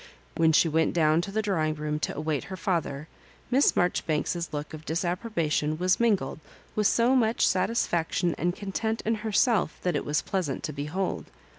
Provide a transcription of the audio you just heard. When she went down to the drawing room to await her father, Miss Marjoribanks's look of disapprobation was mingled with so much satisfaction and content in herself that it was pleasant to behold.